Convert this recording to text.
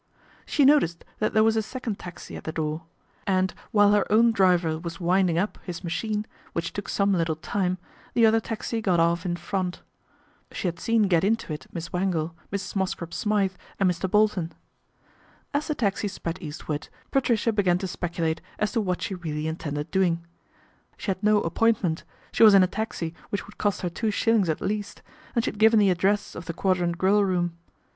She noticed that there was a second taxi at the door, and while her own driver was " winding up " his machine, which took some little time, the other taxi got off in front. She had seen get into it Miss Wangle, Mrs. Mosscrop Smythe, and Mr. Bolton. As the taxi sped eastward, Patricia began to speculate as to what she really intended doing. She had no appointment, she was in a taxi which would cost her two shillings at least, and she had given the address of the Quadrant Grill room.